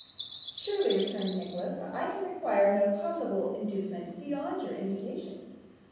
'Surely,' returned Nicholas, 'I can require no possible inducement beyond your invitation.